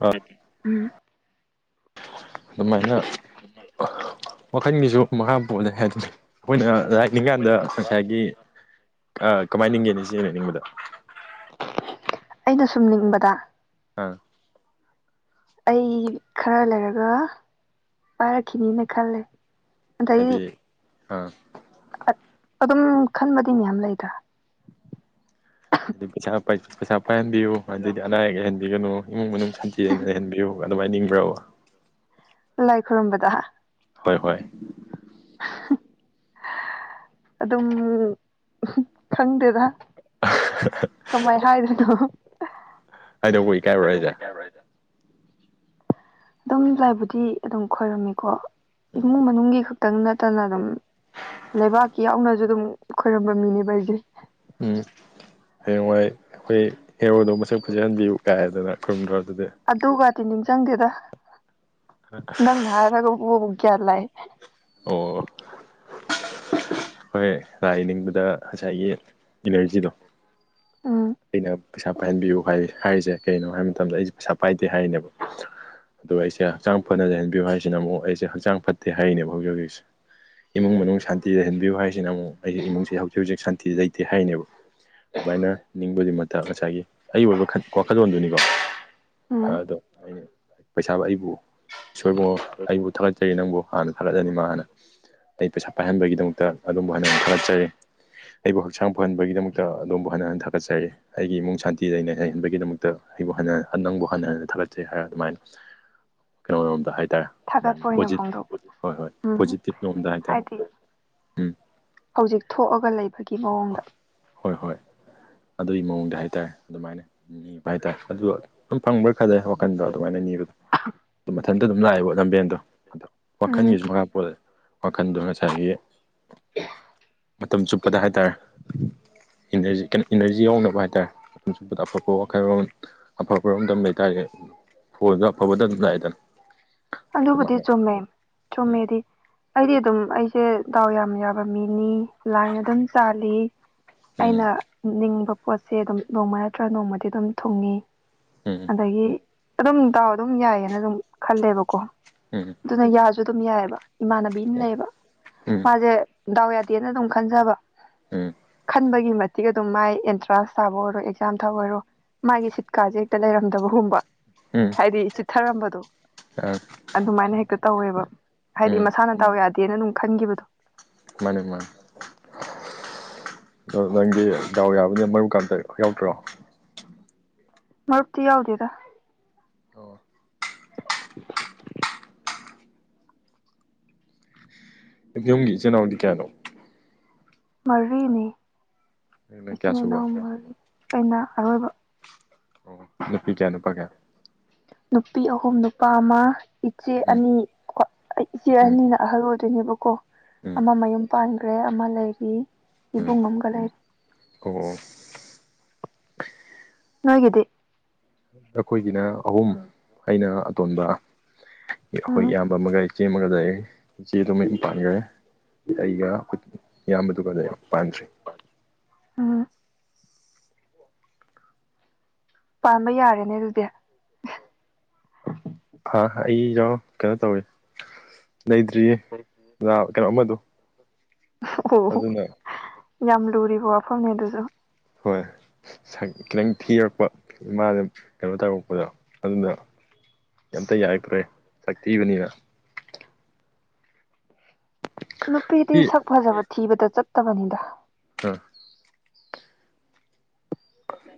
ꯑ ꯎꯝ ꯑꯗꯨꯃꯥꯏꯅ ꯃꯈꯜꯒꯤꯁꯨ ꯃꯈꯥ ꯄꯣꯠꯂꯦ ꯍꯥꯏꯗꯨꯅꯦ ꯑꯩꯈꯣꯏꯅ ꯂꯥꯏꯅꯤꯡꯉꯥ ꯀꯥꯟꯗ ꯉꯁꯥꯏꯒꯤ ꯑꯥ ꯀꯃꯥꯏꯅ ꯅꯤꯡꯒꯦꯅꯦ ꯢꯆꯦꯅ ꯅꯤꯡꯕꯗꯣ ꯑꯩꯅ ꯁꯨꯝ ꯅꯤꯡꯕꯗ ꯑꯥ ꯑꯩ ꯈꯔ ꯂꯩꯔꯒ ꯄꯥꯏꯔꯛꯈꯤꯅꯤꯅ ꯈꯜꯂꯦ ꯑꯗꯩ ꯍꯥꯏꯗꯤ ꯑꯥ ꯑꯗꯨꯝ ꯈꯟꯕꯗꯤ ꯃꯌꯥꯝ ꯂꯩꯗꯥ ꯍꯥꯏꯗꯤ ꯄꯩꯁꯥ ꯄꯩꯁꯥ ꯄꯥꯏꯍꯟꯕꯤꯌꯨ ꯍꯥꯏꯗꯤ ꯑꯅꯥ ꯑꯌꯦꯛ ꯂꯩꯍꯟꯕꯤꯒꯅꯨ ꯏꯃꯨꯡ ꯃꯅꯨꯡ ꯁꯟꯊꯤꯅ ꯂꯩꯍꯟꯕꯤꯌꯨꯕ ꯑꯗꯨꯃꯥꯏꯅ ꯅꯤꯡꯕ꯭ꯔꯥꯕ ꯂꯥꯏ ꯈꯨꯔꯨꯝꯕꯗ ꯍꯣꯏ ꯍꯣꯏ [unintelligible] ꯑꯗꯨꯝ ꯈꯪꯗꯦꯗ ꯀꯃꯥꯏ ꯍꯥꯏꯗꯣꯏꯅꯣ ꯍꯥꯏꯗꯣꯛꯄꯥ ꯏꯀꯥꯏꯕꯔꯣ ꯍꯥꯢꯁꯦ [unintelligible] ꯑꯗꯨꯝ ꯂꯥꯏꯕꯨꯗꯤ ꯑꯗꯨꯝ ꯈꯣꯏꯔꯝꯃꯤꯀꯣ ꯎꯝ ꯏꯃꯨꯡ ꯃꯅꯨꯡꯒꯤ ꯈꯤꯇꯪ ꯅꯠꯇꯅ ꯑꯗꯨꯝ ꯂꯩꯕꯥꯛꯀꯤ ꯌꯥꯎꯅꯁꯨ ꯑꯗꯨꯝ ꯈꯣꯏꯔꯝꯕ ꯃꯤꯅꯦꯕ ꯑꯩꯁꯦ ꯎꯝ ꯍꯌꯦꯡꯋꯥꯏ ꯑꯩꯈꯣꯏ ꯍꯦꯔꯣꯗꯣ ꯃꯁꯛ ꯐꯖꯍꯟꯕꯤꯌꯨ ꯀꯥꯏꯗꯅ ꯈꯨꯔꯨꯝꯗꯔꯥ ꯑꯗꯨꯗꯤ ꯑꯗꯨꯒꯗꯤ ꯅꯤꯡꯁꯤꯡꯗꯦꯗ ꯅꯪꯅ ꯍꯥꯏꯔꯒꯕꯨꯕꯨ ꯒ꯭ꯌꯥꯟ ꯂꯥꯛꯑꯦ ꯑꯣ ꯍꯣꯏ ꯂꯥꯏ ꯅꯤꯡꯕꯗ ꯉꯁꯥꯏꯒꯤ ꯏꯅꯔꯖꯤꯗꯣ ꯎꯝ ꯑꯩꯅ ꯄꯩꯁꯥ ꯄꯥꯏꯍꯟꯕꯤꯌꯨ ꯍꯥꯏ ꯍꯥꯏꯔꯤꯁꯦ ꯀꯩꯅꯣ ꯍꯥꯏꯕ ꯃꯇꯝꯗ ꯑꯩꯁꯦ ꯄꯩꯁꯥ ꯄꯥꯏꯗꯦ ꯍꯥꯏꯅꯦꯕ ꯑ ꯑꯩꯁꯦ ꯍꯛꯆꯥꯡ ꯐꯅꯖ ꯂꯩꯍꯟꯕꯤꯌꯨ ꯍꯥꯏꯁꯤꯅ ꯑꯃꯨꯛ ꯑꯩꯁꯦ ꯍꯛꯆꯥꯡ ꯐꯠꯇꯦ ꯍꯥꯏꯔꯤꯅꯦꯕ ꯍꯧꯖꯤꯛ ꯍꯧꯖꯤꯛꯁꯦ ꯏꯃꯨꯡ ꯃꯅꯨꯡ ꯁꯥꯟꯇꯤ ꯂꯩꯍꯟꯕꯤꯌꯨ ꯍꯥꯏꯁꯤꯅ ꯑꯃꯨꯛ ꯑꯩꯁꯦ ꯏꯃꯨꯡꯁꯦ ꯍꯧꯖꯤꯛ ꯍꯧꯖꯤꯛ ꯁꯥꯟꯇꯤ ꯂꯩꯇꯦ ꯍꯥꯏꯅꯦꯕ ꯑꯗꯨꯃꯥꯏꯅ ꯅꯤꯡꯕꯗꯤ ꯉꯁꯥꯏꯒꯤ ꯑꯩꯒꯤ ꯑꯣꯏꯕ ꯋꯥꯈꯜꯂꯣꯟꯗꯨꯅꯤꯀꯣ ꯎꯝ ꯑꯗꯣ ꯑꯩꯅ ꯄꯩꯁꯥꯕꯨ ꯑꯩꯕꯨ ꯏꯁꯣꯔ ꯏꯕꯨꯡꯉꯣ ꯑꯩꯕꯨ ꯊꯥꯒꯠꯆꯔꯤ ꯅꯪꯕꯨ ꯍꯥꯟꯅ ꯊꯥꯒꯠꯂꯅꯤꯡ ꯃꯥ ꯍꯥꯟꯅ ꯑꯇꯩ ꯄꯩꯁꯥ ꯄꯥꯏꯍꯟꯕꯒꯤꯗꯃꯛꯇ ꯑꯗꯣꯝꯕꯨ ꯍꯥꯟꯅ ꯍꯥꯟꯅ ꯈꯥꯒꯠꯆꯔꯤ ꯑꯩꯕꯨ ꯍꯛꯆꯥꯡ ꯐꯍꯟꯕꯒꯤꯗꯃꯛꯇ ꯑꯗꯣꯝꯕꯨ ꯍꯟꯅ ꯍꯟꯅ ꯊꯥꯒꯠꯆꯔꯤ ꯑꯩꯒꯤ ꯏꯃꯨꯡ ꯁꯥꯟꯇꯤ ꯂꯩꯅꯩ ꯍꯩꯍꯟꯕꯒꯤꯗꯃꯛꯇ ꯑꯩꯕꯨ ꯍ ꯅꯪꯕꯨ ꯍꯟꯅ ꯍꯟꯅ ꯊꯥꯒꯠꯆꯩ ꯍꯥꯏꯔꯒ ꯑꯗꯨꯃꯥꯏꯅ ꯀꯩꯅꯣꯔꯣꯝꯗ ꯍꯥꯏꯇꯥꯔꯦ ꯎꯝ ꯊꯥꯒꯠꯄ ꯑꯣꯏꯅ ꯄꯣꯖꯤꯠ ꯐꯣꯡꯗꯣꯛꯄ ꯍꯣꯏ ꯍꯣꯏ ꯎꯝ ꯄꯣꯖꯤꯇꯤꯞ ꯂꯣꯝꯗ ꯍꯥꯏꯇꯥꯔꯦ ꯍꯥꯏꯗꯤ ꯎꯝ ꯍꯧꯖꯤꯛ ꯊꯣꯛꯑꯒ ꯂꯩꯕꯒꯤ ꯃꯑꯣꯡꯗ ꯍꯣꯏ ꯍꯣꯏ ꯑꯗꯨꯒꯤ ꯃꯑꯣꯡꯗ ꯍꯥꯏꯇꯥꯔꯦ ꯑꯗꯨꯃꯥꯏꯅ ꯅꯤꯕ ꯍꯥꯏꯇꯥꯔꯦ ꯑꯗꯨ ꯑꯗꯨꯝ ꯐꯪꯕ꯭ꯔꯥ ꯈꯗꯦ ꯋꯥꯈꯟꯗꯣ ꯑꯗꯨꯃꯥꯏꯅ ꯅꯤꯕꯗꯣ ꯑꯗꯨ ꯃꯊꯟꯇ ꯑꯗꯨꯝ ꯂꯥꯛꯑꯦꯕꯣ ꯂꯝꯕꯦꯟꯗꯣ ꯑꯗꯣ ꯎꯝ ꯋꯥꯈꯜꯒꯤꯁꯨ ꯃꯈꯥ ꯄꯣꯜꯂꯦ ꯋꯥꯈꯜꯗꯣ ꯉꯁꯥꯏꯒꯤ ꯃꯇꯝ ꯆꯨꯞꯄꯗ ꯍꯥꯏꯇꯥꯔꯦ ꯏꯅꯔꯖꯤ ꯏꯅꯔꯖꯤ ꯌꯥꯎꯅꯕ ꯍꯥꯏꯇꯥꯔꯦ ꯑꯐꯕ ꯋꯥꯈꯜꯂꯣꯟ ꯑꯐꯕꯔꯣꯝꯗ ꯂꯩꯇꯥꯔꯗꯤ ꯐꯣꯟꯁꯨ ꯑꯐꯕꯗ ꯑꯗꯨꯝ ꯂꯥꯛꯢꯗꯥꯅ ꯑꯗꯨꯕꯨꯗꯤ ꯆꯨꯝꯃꯦ ꯆꯨꯝꯃꯦꯗꯤ ꯑꯩꯗꯤ ꯑꯗꯨꯝ ꯑꯩꯁꯦ ꯗꯥꯎ ꯌꯥꯝ ꯌꯥꯕ ꯃꯤꯅꯤ ꯂꯥꯏꯅ ꯑꯗꯨꯝ ꯆꯥꯜꯂꯤ ꯎꯝ ꯑꯩꯅ ꯅꯤꯡꯕ ꯄꯣꯠꯁꯦ ꯑꯗꯨꯝ ꯅꯣꯡꯃ ꯅꯠꯇ꯭ꯔꯒ ꯅꯣꯡꯃꯗꯤ ꯑꯗꯨꯝ ꯊꯨꯡꯉꯤ ꯎꯝ ꯎꯝ ꯑꯗꯒꯤ ꯑꯗꯨꯝ ꯗꯥꯥꯎ ꯑꯗꯨꯝ ꯌꯥꯏꯌꯦꯅ ꯑꯗꯨꯝ ꯈꯜꯂꯦꯕꯀꯣ ꯎꯝ ꯑꯗꯨꯅ ꯌꯥꯁꯨ ꯑꯗꯨꯝ ꯌꯥꯏꯑꯦꯕ ꯏꯃꯥꯟꯅꯕꯤ ꯑꯃ ꯎꯝ ꯎꯝ ꯂꯩꯌꯦꯕ ꯃꯥꯁꯦ ꯗꯥꯎ ꯌꯥꯗꯦꯅ ꯑꯗꯨꯝ ꯈꯟꯖꯕ ꯎꯝ ꯈꯟꯕꯒꯤ ꯃꯇꯤꯛ ꯑꯗꯨꯝ ꯃꯥꯏ ꯀ꯭ꯂꯥꯁ ꯊꯥꯕ ꯑꯣꯏꯔꯣ ꯑꯦꯛꯖꯥꯝ ꯊꯥꯕ ꯑꯣꯏꯔꯣ ꯃꯥꯒꯤ ꯁꯤꯠꯀꯥꯁꯦ ꯍꯦꯛꯇ ꯂꯩꯔꯝꯗꯕꯒꯨꯝꯕ ꯎꯝ ꯍꯥꯏꯗꯤ ꯆꯤꯊꯔꯝꯕꯗꯣ ꯑꯥ ꯑꯗꯨꯃꯥꯏꯅ ꯍꯦꯛꯇ ꯇꯧꯋꯦꯕ ꯎꯝ ꯍꯥꯏꯗꯤ ꯃꯁꯥꯅ ꯗꯥꯎ ꯌꯥꯗꯦꯅ ꯑꯗꯨꯝ ꯈꯟꯈꯤꯕꯗꯣ ꯃꯥꯅꯦ ꯃꯥꯅꯦ ꯑꯗ ꯅꯪꯗꯤ ꯗꯥꯎ ꯌꯥꯕꯅꯤ ꯃꯔꯨꯝꯀꯥ ꯑꯝꯇ ꯌꯥꯎꯗ꯭ꯔꯣ ꯃꯔꯨꯝꯇꯤ ꯌꯥꯎꯗꯦꯗ ꯑꯣ ꯌꯨꯝꯒꯤ ꯏꯆꯤꯟ ꯏꯅꯥꯎꯗꯤ ꯀꯌꯥꯅꯣ ꯃꯔꯤꯅꯤ ꯅꯪꯅ ꯀꯌꯥ ꯏꯆꯤꯟ ꯏꯅꯥꯎ ꯁꯨꯕ ꯃꯔꯤ ꯑꯩꯅ ꯑꯔꯣꯏꯕ ꯑꯣ ꯅꯨꯄꯤ ꯀꯌꯥ ꯅꯨꯄꯥ ꯀꯌꯥ ꯅꯨꯄꯤ ꯑꯍꯨꯝ ꯅꯨꯄꯥ ꯑꯃ ꯏꯆꯦ ꯎꯝ ꯑꯅꯤ ꯑꯩ ꯏꯆꯦ ꯎꯝ ꯑꯅꯤꯅ ꯑꯍꯜ ꯑꯣꯏꯗꯣꯏꯅꯦꯕꯀꯣ ꯎꯝ ꯑꯃ ꯃꯌꯨꯝ ꯄꯥꯟꯈ꯭ꯔꯦ ꯑꯃ ꯂꯩꯔꯤ ꯎꯝ ꯏꯕꯨꯡ ꯑꯃꯒ ꯂꯩꯔꯤ ꯑꯣ ꯑꯣ ꯅꯣꯢꯒꯤꯗꯤ ꯅꯈꯣꯏꯒꯤꯅ ꯑꯍꯨꯝ ꯑꯩꯅ ꯑꯇꯣꯟꯕ ꯑꯩꯈꯣꯏ ꯎꯝ ꯏꯌꯥꯝꯕ ꯑꯃꯒ ꯏꯆꯦ ꯑꯃꯒꯗ ꯂꯩ ꯢꯆꯦꯗꯨ ꯃꯌꯨꯝ ꯄꯥꯟꯈ꯭ꯔꯦ ꯑꯩꯒ ꯏꯌꯥꯝꯕꯗꯨꯒꯗꯤ ꯂꯩ ꯄꯥꯟꯗ꯭ꯔꯤ ꯎꯝ ꯄꯥꯟꯕ ꯌꯥꯔꯦꯅꯦ ꯑꯗꯨꯗꯤ ꯍꯥ ꯑꯩꯗꯣ ꯀꯩꯅꯣ ꯇꯧꯋꯦ ꯂꯩꯇ꯭ꯔꯤꯌꯦ ꯀꯩꯅꯣ ꯑꯃꯗꯣ ꯑꯣ ꯑꯗꯨꯅ ꯌꯥꯝ ꯂꯨꯔꯤꯕ ꯋꯥꯐꯝꯅꯦ ꯑꯗꯨꯁꯨ ꯍꯣꯏ ꯁꯛ ꯈꯤꯇꯪ ꯊꯤꯔꯛꯄ ꯏꯃꯥꯗ ꯀꯩꯅꯣ ꯇꯧꯔꯛꯄꯗꯣ ꯑꯗꯨꯅ ꯑꯝꯇ ꯌꯥꯔꯛꯇ꯭ꯔꯦ ꯁꯛꯇꯤꯕꯅꯤꯅ ꯅꯨꯄꯤꯗꯤ ꯁꯤ ꯁꯛ ꯐꯖꯕ ꯊꯤꯕꯗ ꯆꯠꯇꯕꯅꯤꯗ ꯑꯥ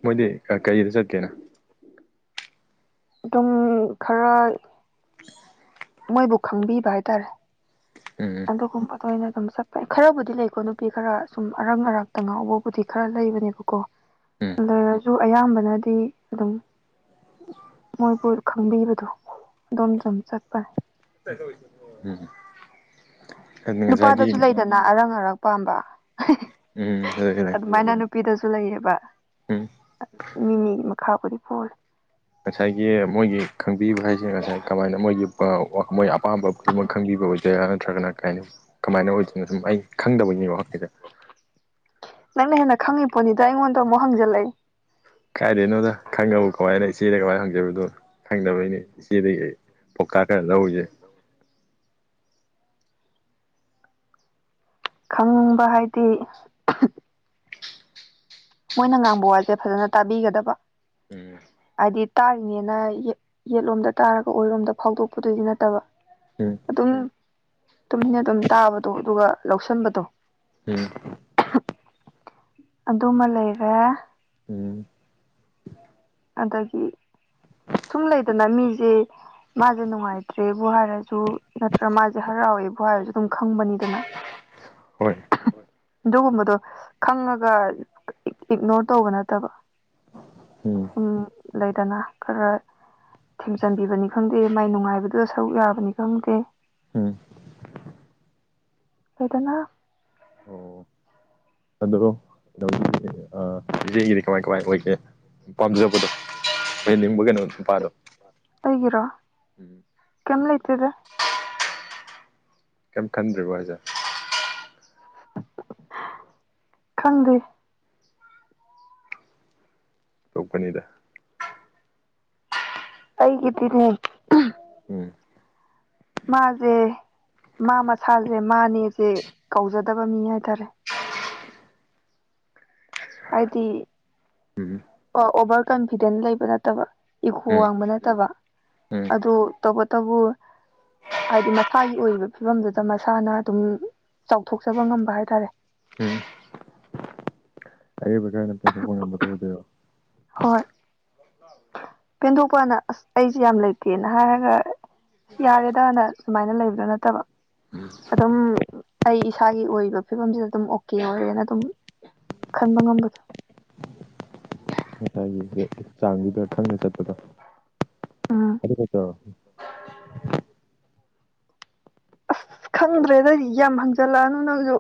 ꯃꯣꯏꯗꯤ ꯀꯩꯗ ꯆꯠꯀꯦꯅ ꯑꯗꯨꯝ ꯈꯔ ꯃꯣꯏꯕꯨ ꯈꯪꯕꯤꯕ ꯍꯥꯏꯇꯥꯔꯦ ꯎꯝ ꯑꯗꯨꯒꯨꯝꯕꯗ ꯑꯣꯏꯅ ꯑꯗꯨꯝ ꯆꯠꯄ ꯈꯔꯕꯨꯗꯤ ꯂꯩꯀꯣ ꯅꯨꯄꯤ ꯈꯔ ꯁꯨꯝ ꯑꯔꯛ ꯑꯔꯥꯛꯛꯇ ꯉꯥꯎꯕꯕꯨꯗꯤ ꯈꯔ ꯂꯩꯕꯅꯦꯕꯀꯣ ꯎꯝ ꯂꯩꯔꯁꯨ ꯑꯌꯥꯝꯕꯅꯗꯤ ꯑꯗꯨꯝ ꯃꯣꯏꯕꯨ ꯈꯪꯕꯤꯕꯗꯣ ꯑꯗꯣꯝꯗ ꯑꯗꯨꯝ ꯆꯠꯄꯅꯤ [unintelligible] ꯑꯗꯨ ꯉꯁꯥꯏꯒꯤ ꯅꯨꯄꯥꯗꯁꯨ ꯂꯩꯗꯅ ꯑꯔꯪ ꯑꯔꯥꯛ ꯄꯥꯝꯕ ꯎꯝ ꯂꯩ ꯂꯩ ꯑꯗꯨꯃꯥꯏꯅ ꯅꯨꯄꯤꯗꯁꯨ ꯂꯩꯌꯦꯕ ꯎꯝ ꯃꯤ ꯃꯤ ꯃꯈꯥꯕꯨꯨꯗꯤ ꯄꯣꯜꯂꯦ ꯉꯁꯥꯏꯒꯤ ꯃꯣꯏꯒꯤ ꯈꯪꯕꯤꯕ ꯍꯥꯏꯁꯦ ꯉꯁꯥꯏ ꯀꯃꯥꯏꯅ ꯃꯣꯏꯒꯤ ꯑꯄꯥꯝꯕ ꯈꯨꯗꯤꯡꯃꯛ ꯈꯪꯕꯤꯕ ꯑꯣꯏꯗꯣꯏꯔꯥ ꯅꯠꯇ꯭ꯔꯒꯅ ꯀꯩꯍꯥꯢꯅꯤ ꯀꯃꯥꯏꯅ ꯑꯣꯏꯗꯣꯏꯅꯣ ꯁꯨꯝ ꯑꯩ ꯈꯪꯗꯕꯩꯅꯤꯀꯣ ꯅꯪꯉꯤꯁꯦ ꯅꯪꯅ ꯍꯦꯟꯅ ꯈꯪꯉꯤ ꯄꯣꯠꯅꯤꯗ ꯑꯩꯉꯣꯟꯗ ꯑꯃꯨꯛ ꯍꯪꯖꯜꯂꯛꯑꯦ ꯀꯥꯏꯗꯩꯅꯣꯗ ꯈꯪꯉꯕꯕꯨ ꯀꯃꯥꯏꯅ ꯏꯆꯦꯗ ꯀꯃꯥꯏꯅ ꯍꯪꯖꯗꯣꯢꯅꯣ ꯈꯪꯗꯕꯩꯅꯤ ꯏꯆꯦꯗꯒꯤ ꯑꯩ ꯄꯧꯇꯥꯛ ꯈꯔ ꯂꯧꯔꯤꯁꯦ ꯈꯪꯕ ꯍꯥꯏꯗꯤ ꯃꯣꯏꯅ ꯉꯥꯡꯕ ꯋꯥꯁꯦ ꯐꯖꯅ ꯇꯥꯕꯤꯒꯗꯕ ꯎꯝ ꯍꯥꯏꯗꯤ ꯇꯥꯔꯤꯅꯦꯅ ꯌꯦꯠꯂꯣꯝꯗ ꯇꯥꯔꯒ ꯑꯣꯏꯔꯣꯝꯗ ꯐꯥꯎꯗꯣꯛꯄꯗꯨꯗꯤ ꯅꯠꯇꯕ ꯎꯝ ꯑꯗꯨꯝ ꯇꯨꯃꯤꯟꯅ ꯑꯗꯨꯝ ꯇꯥꯕꯗꯣ ꯑꯗꯨꯒ ꯂꯧꯁꯟꯕꯗꯣ ꯎꯝ ꯑꯗꯨ ꯑꯃ ꯂꯩꯔꯦ ꯎꯝ ꯑꯗꯥꯒꯤ ꯁꯨꯝ ꯂꯩꯗꯅ ꯃꯤꯁꯦ ꯃꯥꯁꯦ ꯅꯨꯡꯉꯥꯏꯇ꯭ꯔꯦꯕꯨ ꯍꯥꯏꯔꯁꯨ ꯅꯠꯇ꯭ꯔꯒ ꯃꯥꯁꯦ ꯍꯔꯥꯎꯋꯦꯕꯨ ꯍꯥꯏꯔꯁꯨ ꯑꯗꯨꯝ ꯈꯪꯕꯅꯤꯗꯅ ꯍꯣꯏ ꯑꯗꯨꯒꯨꯝꯕꯗꯣ ꯈꯪꯉꯥꯒ ꯏꯛꯅꯣꯔ ꯇꯧꯕ ꯅꯠꯇꯕ ꯎꯝ ꯎꯝ ꯂꯩꯗꯅ ꯈꯔ ꯊꯦꯝꯖꯤꯟꯕꯤꯕꯅꯤ ꯈꯪꯗꯦ ꯃꯥꯏ ꯅꯨꯡꯉꯥꯏꯕꯗꯨꯗ ꯁꯔꯨꯛ ꯌꯥꯕꯅꯤ ꯈꯪꯗꯦ ꯎꯝ ꯍꯥꯢꯗꯅ ꯑꯣ ꯑꯗꯣ ꯢꯆꯦꯒꯤꯗꯤ ꯀꯃꯥꯏ ꯀꯃꯥꯏ ꯑꯣꯏꯒꯦ ꯄꯥꯝꯖꯕꯗꯣ ꯑꯣꯢꯍꯟ ꯅꯤꯡꯕ ꯀꯩꯅꯣ ꯅꯨꯄꯥꯗꯣ ꯑꯩꯒꯤꯔꯣ ꯀꯩꯝ ꯂꯩꯇꯦꯗ ꯀꯩꯝ ꯈꯟꯗ꯭ꯔꯤꯕꯣ ꯍꯥꯢꯁꯦ ꯈꯟꯗꯦ ꯑꯣꯟꯇꯣꯛꯄꯅꯤꯗ ꯑꯩꯒꯤꯗꯤꯅꯦ ꯎꯝ ꯎꯝ ꯃꯥꯁꯦ ꯃꯥ ꯃꯁꯥꯁꯦ ꯃꯥꯅꯦꯁꯦ ꯀꯥꯎꯖꯥꯗꯕ ꯃꯤ ꯍꯥꯏꯇꯥꯔꯦ ꯍꯥꯏꯗꯤ ꯎꯝ ꯑꯣꯚꯔ ꯀꯟꯐꯤꯗꯦꯟ ꯂꯩꯕ ꯅꯠꯇꯕ ꯏꯒꯣ ꯎꯝ ꯋꯥꯡꯕ ꯅꯠꯇꯕ ꯎꯝ ꯑꯗꯨ ꯇꯧꯕꯇꯕꯨ ꯍꯥꯏꯗꯤ ꯃꯁꯥꯒꯤ ꯑꯣꯏꯔꯤꯕ ꯐꯤꯕꯝꯗꯨꯗ ꯃꯁꯥꯅ ꯑꯗꯨꯝ ꯆꯥꯎꯊꯣꯛꯆꯕ ꯉꯝꯕ ꯍꯥꯏꯇꯥꯔꯦ ꯎꯝ ꯑꯔꯦꯕꯀꯥꯟꯗꯥ ꯄꯦꯟꯊꯣꯛꯄ ꯉꯝꯕꯗꯣ ꯑꯣꯏꯗꯣꯏꯔꯣ ꯍꯣꯏ ꯄꯦꯟꯗꯣꯛꯄꯅ ꯑꯁ ꯑꯩꯁꯦ ꯌꯥꯝ ꯂꯩꯇꯦꯅ ꯍꯥꯏꯔꯒ ꯌꯥꯔꯦꯗꯅ ꯁꯨꯃꯥꯏꯅ ꯂꯩꯕꯗꯣ ꯅꯠꯇꯕ ꯑꯗꯨꯝ ꯑꯩ ꯏꯁꯥꯒꯤ ꯑꯣꯏꯕ ꯐꯤꯕꯝꯁꯤꯗ ꯑꯗꯨꯝ ꯑꯣꯀꯦ ꯑꯣꯏꯔꯦꯅ ꯑꯗꯨꯝ ꯈꯟꯕ ꯉꯝꯕꯗꯣ [unintelligible] ꯍꯥꯢꯔꯤꯁꯦ ꯆꯥꯡꯖꯤꯗ ꯈꯪꯅꯥ ꯆꯠꯄꯗꯣ ꯎꯝ ꯑꯗꯨ ꯈꯛꯇꯥꯔꯣ ꯑꯁ ꯈꯪꯗ꯭ꯔꯦꯗ ꯌꯥꯝ ꯍꯪꯖꯜꯂꯛꯑꯅꯨ ꯅꯪꯁꯨ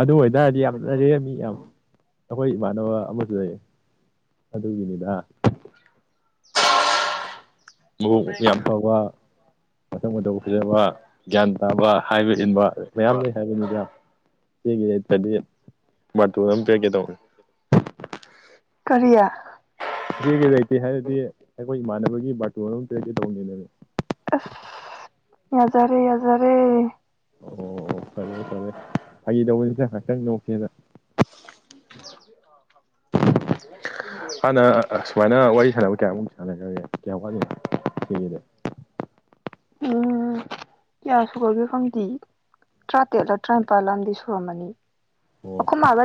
ꯑꯗꯨ ꯑꯣꯏꯇꯥꯔꯗꯤ ꯌꯥꯝꯅꯔꯦ ꯃꯤ ꯌꯥꯝ ꯑꯩꯈꯣꯏ ꯏꯃꯥꯟꯅꯕ ꯑꯃꯁꯨ ꯂꯩ ꯑꯗꯨꯒꯤꯅꯤꯗ [inaudible] ꯃꯕꯨꯛ ꯌꯥꯝ ꯐꯕ ꯃꯁꯛ ꯃꯇꯧꯒ ꯐꯖꯕ ꯒ꯭ꯌꯥꯟ ꯇꯥꯕ ꯍꯥꯏꯕ ꯏꯟꯕ ꯃꯌꯥꯝ ꯂꯩ ꯍꯥꯏꯕꯅꯤꯗꯒꯤꯗꯤ ꯕꯥꯔꯇꯣꯟ ꯑꯃ ꯄꯦꯛꯀꯦ ꯇꯧꯕꯅꯤ ꯀꯔꯤ ꯀ ꯀꯦ ꯂꯩꯇꯦ ꯍꯥꯏꯔꯗꯤ ꯑꯩꯈꯣꯏ ꯏꯃꯥꯟꯅꯕꯒꯤ ꯕꯥꯔꯇꯣ ꯑꯃ ꯇꯔꯀꯦ ꯇꯧꯅꯦ ꯑꯁ ꯌꯥꯖꯔꯦ ꯌꯥꯖꯔꯦ ꯑꯣ ꯐꯔꯦ ꯐꯔꯦ ꯐꯒꯤꯇꯧꯕꯅꯤꯗ ꯉꯍꯥꯛꯇꯪ ꯅꯣꯛꯁꯦꯅ [inaudible] [inaudible] ꯍꯥꯟꯅ ꯁꯨꯃꯥꯏꯅ ꯋꯥꯔꯤ ꯁꯥꯟꯅꯕ ꯀꯌꯥꯃꯨ ꯁꯥꯟꯅꯈ꯭ꯔꯧꯒꯦ ꯀꯌꯥ ꯋꯥꯠꯂꯤ ꯁꯤꯒꯤꯗ ꯎꯝ ꯀꯌꯥ ꯁꯨꯒꯔꯒꯤ ꯈꯥꯪꯗꯤꯌꯦ ꯇꯔꯥꯇꯔꯦꯠꯂ ꯇꯔꯥꯅꯤꯄꯥꯜ ꯂꯗꯤ ꯁꯨꯔꯝꯃꯅꯤ ꯑꯣ ꯑꯩꯈꯣꯏ ꯃꯥꯒ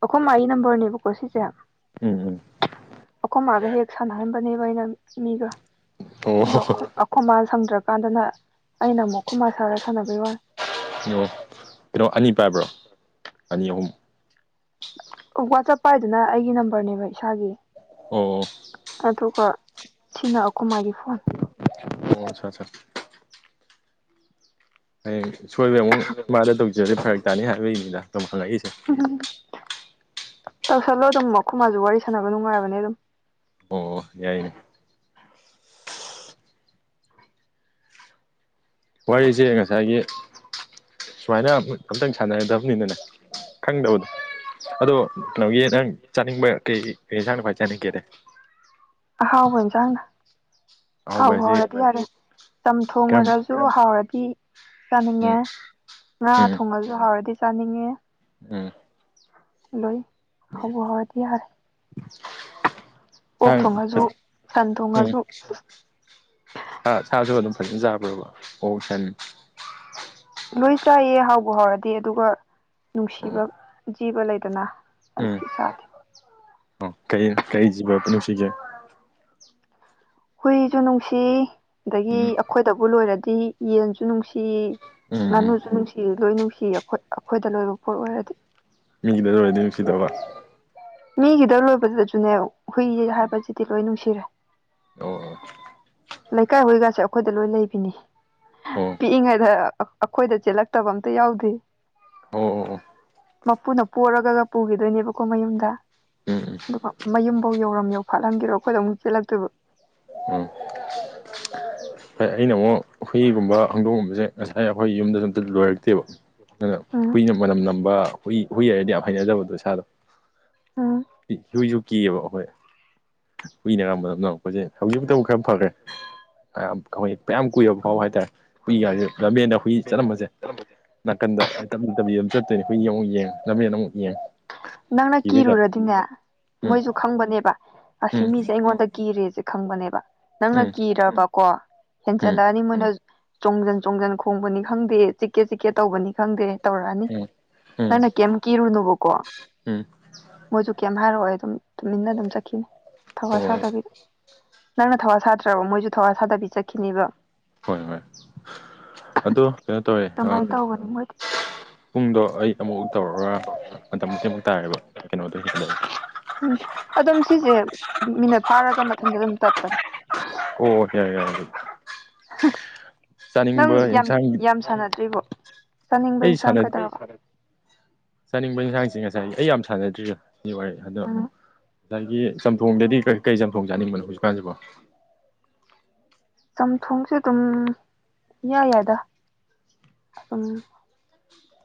ꯑꯩꯈꯣꯏ ꯃꯥꯒꯤ ꯅꯝꯕꯔꯅꯦꯕꯀꯣ ꯁꯤꯁꯦ ꯎꯝ ꯍꯝ ꯑꯩꯈꯣꯏ ꯃꯥꯒ ꯍꯦꯛ ꯁꯥꯟꯅꯍꯕꯅꯦꯕ ꯑꯩꯅ ꯃꯤꯒ ꯑꯣ ꯑꯗꯣ ꯑꯣ ꯈꯨꯃꯥ ꯁꯪꯗ꯭ꯔꯀꯥꯟꯗꯅ ꯑꯩꯅ ꯑꯃꯨꯛ ꯈꯨꯃꯥ ꯁꯥꯔꯒ ꯁꯥꯟꯅꯕꯒꯤ ꯋꯥꯅꯤ ꯀꯣ ꯀꯩꯅꯣ ꯑꯅꯤ ꯄꯥꯏꯕ꯭ꯔꯣ ꯑꯅꯤ ꯑꯍꯨꯝ ꯋꯥꯆꯞ ꯄꯥꯏꯗꯨꯅ ꯑꯩꯒꯤ ꯅꯝꯕꯔꯅꯦꯕ ꯏꯁꯥꯒꯤ ꯑꯣ ꯑꯗꯨꯒ ꯁꯤꯅ ꯑꯩꯈꯣꯏ ꯃꯥꯒꯤ ꯐꯣꯟ ꯑꯣ ꯑꯆꯥ ꯑꯆꯥ ꯍꯌꯦꯡ ꯁꯣꯏꯕ ꯑꯃꯨꯛ ꯃꯥꯗ ꯇꯧꯖꯔꯁꯦ ꯐꯔꯛ ꯇꯥꯅꯤ ꯍꯥꯏꯕꯒꯤ ꯃꯤꯗ ꯑꯗꯨꯝ ꯍꯪꯉꯛꯏꯁꯦ ꯇꯧꯁꯠꯂꯣ ꯑꯗꯨꯝ ꯃꯈꯨꯝ ꯃꯥꯁꯨ ꯋꯥꯔꯤ ꯁꯥꯟꯅꯕ ꯅꯨꯡꯉꯥꯏꯕꯅꯦ ꯑꯗꯨꯝ ꯑꯣ ꯌꯥꯏꯅꯦ ꯋꯥꯔꯤꯁꯦ ꯉꯁꯥꯏꯒꯤ ꯁꯨꯃꯥꯏꯅ ꯑꯝꯇꯪ ꯁꯥꯟꯅꯒꯗꯕꯅꯤꯅꯅꯦ ꯈꯪꯗꯕꯗꯣ ꯑꯗꯣ ꯀꯩꯅꯣꯒꯤ ꯅꯪ ꯆꯥꯅꯤꯡꯕ ꯀꯩ ꯀ ꯌꯦꯟꯁꯥꯡꯅ ꯐꯏ ꯆꯥꯅꯤꯡꯒꯦꯗ ꯑꯍꯥꯎꯕ ꯏꯟꯁꯥꯡꯅ ꯑꯍꯥꯎꯕ ꯍꯥꯎꯔꯗꯤ ꯌꯥꯔꯦ ꯀꯔꯝ ꯆꯝꯊꯣꯡꯉꯔꯁꯨ ꯁꯨ ꯍꯥꯎꯔꯗꯤ ꯆꯥꯅꯤꯡꯉꯦ ꯎꯝ ꯉꯥ ꯎꯝ ꯊꯣꯡꯉꯁꯨ ꯍꯥꯎꯔꯗꯤ ꯆꯥꯅꯤꯡꯉꯦ ꯎꯝ ꯑꯇꯩ ꯍꯥꯑꯣꯕꯤ ꯍꯥꯑꯣꯔꯗꯤ ꯌꯥꯔꯦ ꯁꯥ ꯑꯣꯛ ꯊꯣꯡꯉꯁꯨ ꯐꯖ ꯁꯟ ꯎꯝ ꯊꯣꯡꯉꯁꯨ ꯁꯥ ꯁꯥꯁꯨ ꯑꯗꯨꯝ ꯐꯖꯅ ꯆꯥꯕ꯭ꯔꯣꯕ ꯑꯣꯛ ꯁꯟ ꯂꯣꯏ ꯆꯥꯏꯌꯦ ꯍꯥꯎꯕ ꯍꯥꯎꯔꯗꯤ ꯑꯗꯨꯒ ꯑꯣ ꯅꯨꯡꯁꯤꯕ ꯖꯤꯕ ꯂꯩꯗꯅ ꯑꯗꯨꯗꯤ ꯆꯥꯗꯦ ꯎꯝ ꯀꯩ ꯀꯩꯁꯤꯕ ꯄꯨ ꯅꯨꯡꯁꯤꯁꯦ ꯍꯨꯏꯁꯨ ꯅꯨꯡꯁꯤ ꯑꯗꯒꯤ ꯎꯝ ꯑꯩꯈꯣꯏꯗꯕꯨ ꯂꯣꯏꯔꯗꯤ ꯌꯦꯟꯁꯨ ꯅꯨꯡꯁꯤ ꯎꯝ ꯎꯝ ꯉꯥꯅꯨꯁꯨ ꯅꯨꯡꯁꯤ ꯂꯣꯏ ꯅꯨꯡꯁꯤ ꯑꯩꯈꯣꯏ ꯑꯩꯈꯣꯏꯗ ꯂꯣꯏꯕ ꯄꯣꯠ ꯑꯣꯏꯔꯗꯤ ꯅꯤꯡꯡꯈꯤꯗꯔꯣꯏꯗꯤ ꯅꯨꯡꯁꯤꯗꯕ ꯃꯤꯒꯤꯗ ꯂꯣꯏꯕꯗꯁꯨꯅꯦ ꯍꯨꯏ ꯍꯥꯏꯕꯁꯤꯗꯤ ꯂꯣꯏ ꯅꯨꯡꯁꯤꯔꯦ ꯑꯣ ꯂꯩꯀꯥꯏ ꯍꯏꯀꯥꯁꯦ ꯑꯩꯈꯣꯏꯗ ꯂꯣꯏ ꯂꯩꯕꯅꯤ ꯑꯣ ꯄꯤꯛꯏꯉꯩꯗ ꯑꯩꯈꯣꯏꯗ ꯆꯦꯜꯂꯛꯇꯕ ꯑꯝꯇ ꯌꯥꯎꯗꯦ ꯑꯣ ꯑꯣ ꯑꯣ ꯃꯄꯨꯅ ꯄꯣꯔꯒꯒ ꯄꯨꯒꯤꯗꯣꯏꯅꯦꯕꯀꯣ ꯃꯌꯨꯝꯗ ꯎꯝ ꯎꯝ ꯑꯗꯨꯒ ꯃꯌꯨꯝꯕꯧ ꯌꯧꯔꯝ ꯌꯧꯐꯥꯠꯂꯝꯒꯤꯔꯣꯏ ꯑꯈꯣꯏꯗ ꯑꯃꯨꯛ ꯆꯦꯜꯂꯛꯇꯣꯏꯕ ꯎꯝ ꯍꯩ ꯑꯩꯅꯃꯨꯛ ꯍꯨꯏꯒꯨꯝꯕ ꯍꯪꯗꯣꯡꯒꯨꯝꯕꯖꯦ ꯉꯁꯥꯏ ꯑꯩꯈꯣꯏ ꯌꯨꯝꯗꯖꯨ ꯑꯝꯇ ꯂꯣꯏꯔꯛꯇꯦꯕ ꯑꯗꯨꯅ ꯎꯝ ꯍꯨꯏꯅ ꯃꯅꯝ ꯅꯝꯕ ꯍꯨꯏ ꯍꯨꯏ ꯍꯥꯏꯔꯗꯤ ꯌꯥꯝ ꯍꯩꯅꯗꯕꯗꯣ ꯏꯁꯥꯗ ꯎꯝ ꯍꯨꯏꯖꯨ ꯀꯤꯌꯦꯕ ꯍꯣꯏ ꯍꯨꯏꯅꯒ ꯃꯅꯝ ꯅꯝꯃꯛꯄꯁꯦ ꯍꯧꯖꯤꯛꯄꯨꯗꯤ ꯈꯔ [inaudible] [unintelligible] ꯄꯌꯥꯝ ꯀꯨꯏꯔꯕ ꯐꯥꯎ ꯍꯥꯏꯇꯥꯔꯦ ꯍꯨꯏꯒꯥꯖꯦ ꯂꯝꯕꯦꯟꯗ ꯍꯨꯏ ꯆꯠꯂꯝꯕꯖꯦ ꯅꯥꯀꯟꯗ ꯇꯞꯂꯤ ꯇꯞꯂꯤ ꯑꯗꯨꯝ ꯆꯠꯇꯣꯏꯅꯦ ꯍꯨꯏ ꯑꯃꯨꯛ ꯌꯦꯡ ꯂꯃꯦꯟ ꯑꯃꯨꯛ ꯌꯦꯡ ꯅꯪꯅ ꯀꯤꯕꯩ ꯆꯥꯡ ꯀꯤꯔꯨꯔꯗꯤꯅꯦ ꯎꯝ ꯃꯣꯏꯖꯨ ꯈꯪꯕꯅꯦꯕ ꯑꯁꯤ ꯎꯝ ꯃꯤꯖꯦ ꯑꯩꯉꯣꯟꯗ ꯀꯤꯔꯦꯖꯦ ꯈꯪꯕꯅꯦꯕ ꯅꯪꯅ ꯎꯝ ꯀꯤꯔꯕꯀꯣ ꯎꯝ ꯍꯦꯟꯖꯜꯂꯛꯑꯅꯤ ꯃꯣꯏꯅ ꯆꯣꯡꯖꯟ ꯆꯣꯡꯖꯟ ꯈꯣꯡꯕꯅꯤ ꯈꯪꯗꯦ ꯆꯤꯛꯀꯦ ꯆꯤꯛꯀꯦ ꯇꯧꯕꯅꯤ ꯈꯪꯗꯦ ꯇꯧꯔꯅꯤ ꯎꯝ ꯎꯝ ꯅꯪꯅ ꯀ꯭ꯌꯤꯝ ꯀꯤꯔꯨꯅꯣꯕꯀꯣ ꯎꯝ ꯃꯣꯏꯖꯨ ꯀꯩꯝ ꯍꯥꯏꯔꯑꯣꯏ ꯑꯗꯨꯝ ꯇꯨꯃꯤꯟꯅ ꯑꯗꯨꯝ ꯆꯠꯈꯤꯅꯤ ꯊꯋꯥ ꯑꯣ ꯁꯥꯗꯕꯤꯗ ꯅꯪꯅ ꯊꯋꯥ ꯁꯥꯗ꯭ꯔꯕ ꯃꯣꯏꯖꯨ ꯊꯋꯥ ꯁꯥꯗꯕꯤ ꯆꯠꯈꯤꯅꯦꯕ ꯍꯣꯏ ꯍꯣꯏ ꯑꯗꯣ ꯀꯩꯅꯣ ꯇꯧꯋꯦ ꯑ ꯑꯗꯨꯃꯥꯏꯅ ꯇꯧꯕꯅꯤ ꯃꯣꯏꯗꯤ ꯄꯨꯡꯗꯣ ꯑꯩ ꯑꯃꯨꯛ ꯇꯧꯔꯣꯔ ꯃꯇꯝ [unintelligible] ꯎꯝ ꯑꯗꯨꯝ ꯁꯤꯖꯦ ꯃꯤꯅꯠ ꯐꯥꯔꯒ ꯃꯊꯟꯇ ꯑꯗꯨꯝ ꯇꯠꯄꯅꯦ ꯑꯣ ꯌꯥꯔꯦ ꯌꯥꯔꯦ ꯑꯗꯨꯗꯤ ꯍ ꯅꯪ ꯌꯥꯝ ꯏꯟꯁꯥꯡ ꯌꯥꯝ ꯁꯥꯟꯅꯗ꯭ꯔꯤꯕꯣ ꯆꯥꯅꯤꯡꯕ ꯑꯩ ꯏꯟꯁꯥꯡ ꯀꯗꯧꯔ ꯆꯥꯅꯤꯡꯕ ꯌꯦꯟꯁꯥꯡꯁꯦ ꯉꯁꯥꯏ ꯑꯩ ꯌꯥꯝ ꯁꯥꯟꯅꯗ꯭ꯔꯤꯗ ꯖꯤ ꯋꯥꯔꯤ ꯑꯗꯣ ꯎꯝ ꯅꯪꯒꯤ ꯆꯝꯊꯣꯡꯗꯗꯤ ꯀ ꯀꯩ ꯆꯝꯊꯣꯡ ꯆꯥꯅꯤꯡꯕꯅꯣ ꯍꯧꯖꯤꯛꯀꯥꯟꯁꯤꯕꯣ ꯆꯝꯊꯣꯡꯁꯦ ꯑꯗꯨꯝ ꯏꯌꯥ ꯌꯥꯏꯗ ꯑꯗꯨꯝ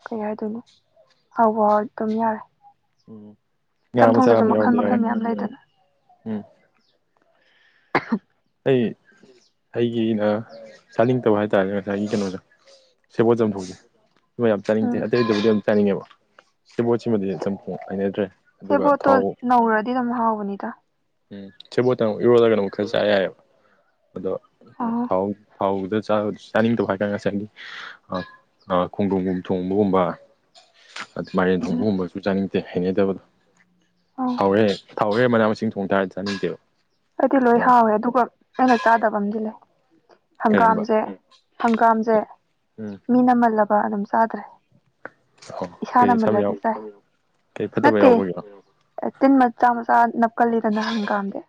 ꯀꯩ ꯍꯥꯏꯗꯣꯏꯅꯣ ꯍꯥꯎꯕꯨ ꯍꯥꯎꯔꯗꯤ ꯑꯗꯨꯝ ꯌꯥꯔꯦ ꯎꯝ ꯉꯥ ꯃꯆꯥꯥ ꯆꯝꯊꯣꯡꯗꯁꯨ ꯑꯃ ꯃꯈꯜ ꯌꯥꯎꯔꯗꯤ ꯌꯥꯔꯦ ꯃꯈꯜ ꯃꯌꯥꯝ ꯂꯩꯗꯅ ꯎꯝ ꯑꯩ ꯑꯩꯒꯤꯅ ꯆꯥꯅꯤꯡꯗꯕ ꯍꯥꯏꯇꯥꯔꯦ ꯉꯁꯥꯏꯒꯤ ꯀꯩꯅꯣꯗꯣ ꯁꯦꯕꯣꯠ ꯆꯝꯊꯣꯡꯖꯦ ꯑꯗꯨꯝꯕ ꯌꯥꯝ ꯆꯥꯅꯤꯡꯗꯦ ꯎꯝ ꯑꯇꯩꯗꯕꯨꯗꯤ ꯑꯗꯨꯝ ꯆꯥꯅꯤꯡꯉꯦꯕ ꯁꯦꯕꯣꯠꯁꯤꯃꯗꯤ ꯆꯝꯐꯣꯡ ꯍꯥꯏꯅꯗ꯭ꯔꯦ ꯑꯗꯨꯒ ꯁꯦꯕꯣꯠꯇꯣ ꯊꯥꯎ [unintelligible] ꯍꯥꯎꯕꯅꯤꯗ ꯎꯝ ꯁꯤꯕꯣꯠꯇ ꯑꯃꯨꯛ ꯏꯔꯣꯜꯂꯒꯅ ꯑꯃꯨꯛ ꯈꯔ ꯆꯥ ꯌꯥꯏꯌꯦꯕ ꯑꯗꯣ ꯑꯣ ꯊꯥꯎ ꯊꯥꯎ [unintelligible] ꯆꯥꯅꯤꯡꯇꯕ ꯍꯥꯏ ꯀꯥꯟ ꯉꯁꯥꯏꯒꯤ ꯈꯣꯡꯗ꯭ꯔꯨꯝꯒꯨꯝ ꯊꯣꯡꯕꯒꯨꯝꯕ ꯑꯗ ꯃꯥꯏꯔꯦꯟ ꯊꯣꯡꯕ ꯒꯨꯝꯕꯁꯨ ꯆꯥꯅꯤꯡꯇꯦ ꯍꯩꯅꯗꯕꯗꯣ ꯑꯣ ꯊꯥꯎꯔꯦ ꯊꯥꯎꯔꯦ ꯃꯅꯥ ꯃꯁꯤꯡ ꯊꯣꯡ ꯇꯔꯗꯤ ꯆꯥꯅꯤꯡꯗꯦꯕ ꯑꯩꯗꯤ ꯂꯣꯏ ꯑꯗꯨꯃꯥꯏꯅ ꯍꯥꯎꯋꯦ ꯑꯗꯨꯒ ꯑꯩꯅ ꯆꯥꯗꯕ ꯑꯝꯗꯤ ꯂꯩ ꯀꯔꯤꯝꯕ ꯍꯪꯒꯥꯝꯖꯦ ꯍꯪꯒꯥꯝꯖꯦ ꯎꯝ ꯃꯤꯅ ꯃꯜꯂꯕ ꯑꯗꯨꯝ ꯆꯥꯗ꯭ꯔꯦ ꯏꯁꯥꯅ ꯀꯩ ꯁꯝ ꯌꯥꯎ ꯃꯜꯂꯗꯤ ꯆꯥꯏ ꯀꯩ ꯐꯠꯇꯕ ꯅꯠꯇꯦ ꯌꯥꯎꯕꯒꯦ ꯇꯤꯟ ꯃꯆꯥ ꯃꯆꯥ ꯅꯞꯀꯜꯂꯤꯗꯅ ꯍꯪꯒꯥꯝꯗꯤ